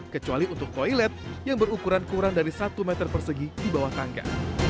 kecuali untuk toilet yang berukuran kurang dari satu meter persegi di bawah tangga